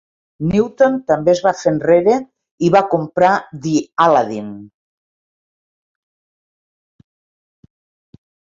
Newton també es va fer enrere i va comprar The Aladdin.